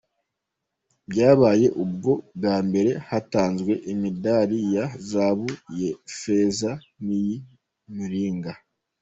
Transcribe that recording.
Bwabaye ubwa mbere hatanzwe imidari ya zahabu, iya feza n’iy’’umuringa.